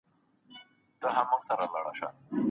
ډاکټر ولي اوږده پاڼه ړنګه کړې ده؟